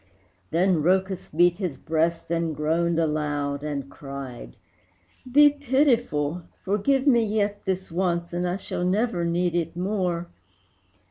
Then Rhœcus beat his breast, and groaned aloud And cried, "Be pitiful! forgive me yet This once, and I shall never need it more!"